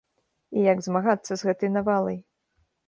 І як змагацца з гэтай навалай.